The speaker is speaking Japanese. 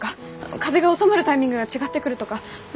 風が収まるタイミングが違ってくるとか何か。